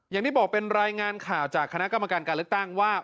อย่างที่บอกเป็นรายงานข่าวจากคณะกรรมการการเลือกตั้งว่า